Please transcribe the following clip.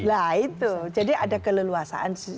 nah itu jadi ada keleluasaan